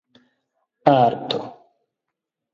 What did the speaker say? arto